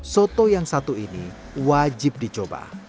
soto yang satu ini wajib dicoba